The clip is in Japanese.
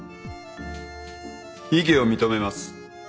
異議を認めます。